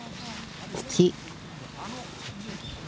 土。